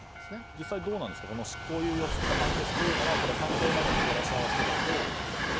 実際、どうなんですか執行猶予付きの判決というのは判例などに照らし合わせると。